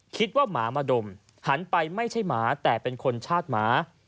คิดว่าหมามาดมหันไปว่าไม่มาแต่เป็นคนชาสหมา